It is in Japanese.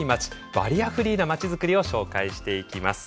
バリアフリーな町づくりを紹介していきます。